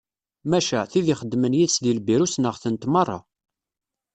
Maca, tid ixeddmen yid-s di lbiru ssneɣ-tent merra.